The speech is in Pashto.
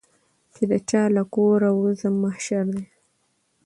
چي د چا له کوره وزمه محشر سم